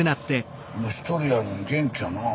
１人やのに元気やなあ。